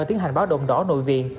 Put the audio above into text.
tiến hành báo động đỏ nội viện